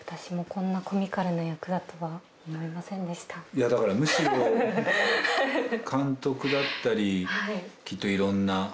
「いやだからむしろ監督だったりきっと」